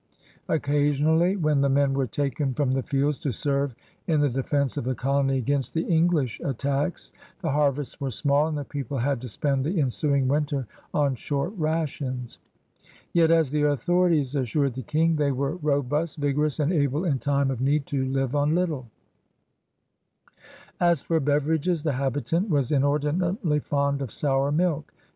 Occasion ally, when the men were taken from the fields to serve in the defense of the colony against the English attacks, the harvests were small and the people had to spend the ensuing winter on short rations. Yet, as the authorities assured 216 CRUSADEBS OF NEW FRANCE the King, they were ^^robust, vigorous, and able in time of need to live on little/' As for beverages, the habitant was inordinately fond of sour milk.